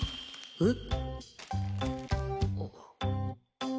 えっ？